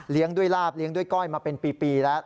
ด้วยลาบเลี้ยงด้วยก้อยมาเป็นปีแล้ว